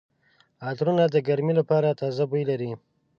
عطرونه د ګرمۍ لپاره تازه بوی لري.